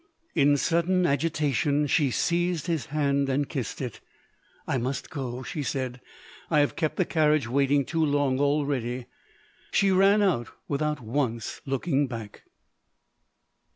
In sudden agitation she seized his hand and kissed it. "I must go!" she said. "I have kept the carriage waiting too long already." She ran out, without once looking back.